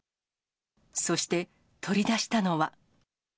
そして、取り出したのは。